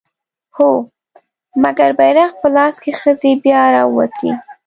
هو! مګر بيرغ په لاس که ښځې بيا راووتې